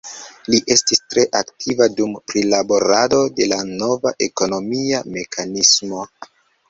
Li estis tre aktiva dum prilaborado de la nova ekonomia mekanismo.